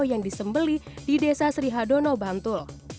yang disembeli di desa sri hadono bantul